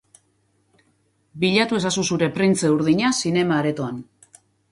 Bilatu ezazu zure printze urdina zinema-aretoan.